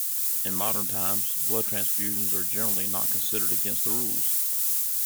In modern times, blood transfusions are generally not considered against the rules.